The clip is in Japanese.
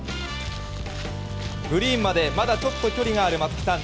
グリーンまでまだちょっと距離がある松木さん